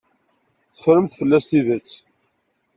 Teffremt fell-as tidet.